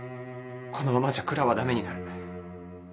このままじゃ蔵はダメになる。